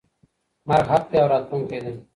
مرګ حق دی او راتلونکی دی.